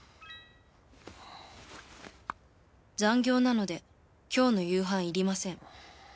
「残業なので今日の夕飯いりません」